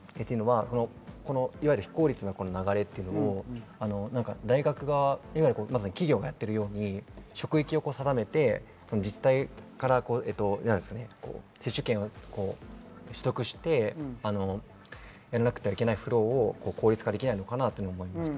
非効率な流れを大学は、企業がやっているように職域を定めて自治体から接種券を取得してやらなくてはいけないフローを効率化できないのかなと思います。